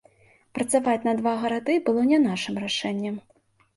Працаваць на два гарады было не нашым рашэннем.